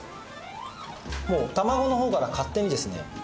もう卵の方から勝手にですね